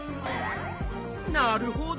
なるほど！